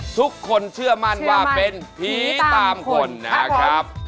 ทุกคนเชื่อมั่นว่าเป็นผีตามคนนะครับ